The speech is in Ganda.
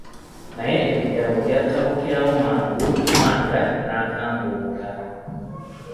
Naye ebigambo byatabukirawo mangu, Mwanga n'akambuwala.